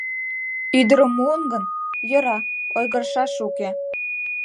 Ӱдырым муын гын — йӧра, ойгырышаш уке.